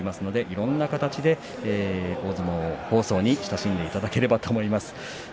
いろんな形で大相撲放送に親しんでいただければと思います。